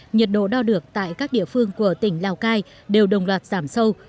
nhiệt độ đo được tại các địa phương của tỉnh lào cai đều đồng loạt giảm sâu